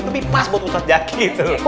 lebih pas buat ustadz jaki tuh